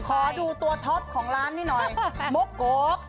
ขอดูตัวท็อปของร้านนี้หน่อยมุกโกฟ